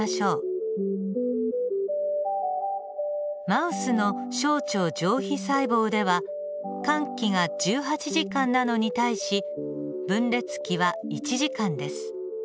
マウスの小腸上皮細胞では間期が１８時間なのに対し分裂期は１時間です。